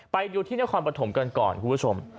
ไปดูที่นครปฐมกันก่อนคุณผู้ชม